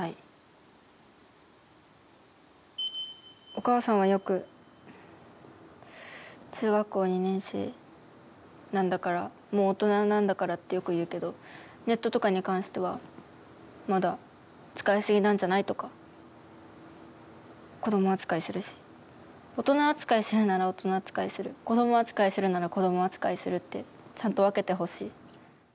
お母さんは、よく中学校２年生なんだからもう大人なんだからってよく言うけどネットとかに関してはまだ使いすぎなんじゃないとか子ども扱いするし大人扱いするなら大人扱いする子ども扱いするなら子ども扱いするってちゃんと分けてほしい。